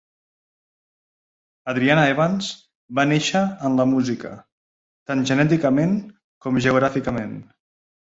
Adriana Evans va néixer en la música, tant genèticament com geogràficament.